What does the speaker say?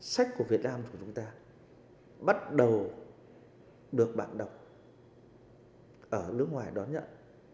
sách của việt nam của chúng ta bắt đầu được bạn đọc ở nước ngoài đón nhận